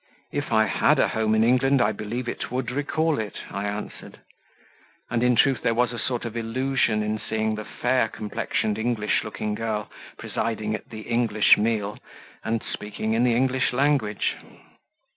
"If I had a home in England, I believe it would recall it," I answered; and, in truth, there was a sort of illusion in seeing the fair complexioned English looking girl presiding at the English meal, and speaking in the English language.